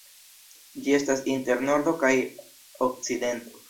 Ĝi estas inter Nordo kaj Okcidento.